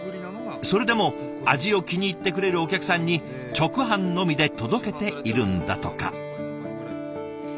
それでも味を気に入ってくれるお客さんに直販のみで届けているんだとか。